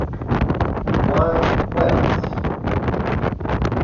Juan Cuevas